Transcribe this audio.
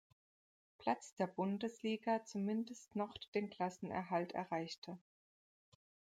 Platz der Bundesliga zumindest noch den Klassenerhalt erreichte.